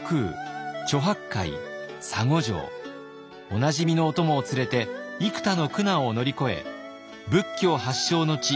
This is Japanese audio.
おなじみのお供を連れて幾多の苦難を乗り越え仏教発祥の地